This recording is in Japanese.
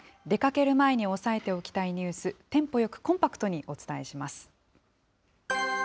出かける前に押さえておきたいニュース、テンポよくコンパクトにお伝えします。